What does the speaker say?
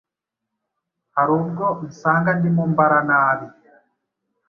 Har'ubwo nsanga ndimwo mbara nabi